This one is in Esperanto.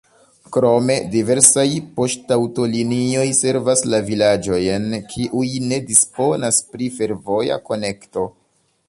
Krome diversaj poŝtaŭtolinioj servas la vilaĝojn, kiuj ne disponas pri fervoja konekto.